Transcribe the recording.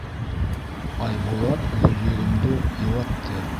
Айбулат Гөлйөҙөмдө йыуатты: